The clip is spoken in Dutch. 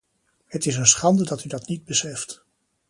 Het is een schande dat u dat niet beseft.